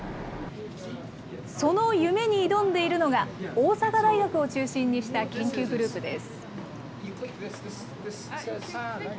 その夢に挑んでいるのが、大阪大学を中心にした研究グループです。